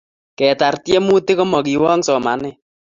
Ketar tyemutik ko ma kewong' somanet